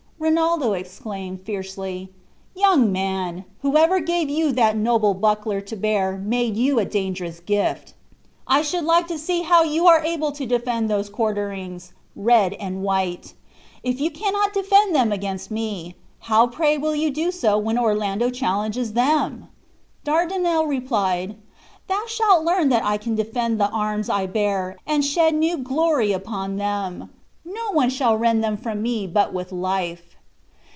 Rinaldo exclaimed, fiercely, "Young man, whoever gave you that noble buckler to bear made you a dangerous gift; I should like to see how you are able to defend those quarterings, red and white. If you cannot defend them against me, how pray will you do so when Orlando challenges them?" Dardinel replied: "Thou shalt learn that I can defend the arms I bear, and shed new glory upon them. No one shall rend them from me but with life."